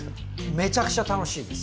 めちゃくちゃ楽しいです。